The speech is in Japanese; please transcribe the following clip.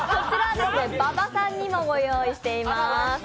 馬場さんにもご用意しています。